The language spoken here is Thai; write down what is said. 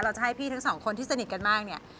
จะให้พี่ทั้งสองคนที่สนิทกันมากเนี่ย